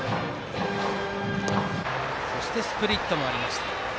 そしてスプリットもありました。